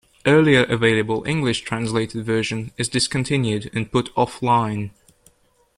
Earlier available English-translated version is discontinued and put offline.